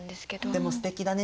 でもすてきだね